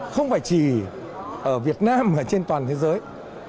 không phải chỉ ở việt nam mà trên toàn thế giới